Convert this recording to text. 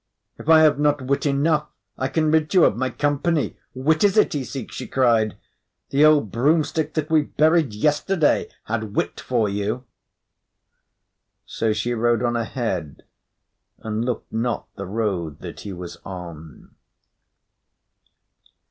If I have not wit enough, I can rid you of my company. Wit is it he seeks?" she cried. "The old broomstick that we buried yesterday had wit for you." So she rode on ahead and looked not the road that he was on.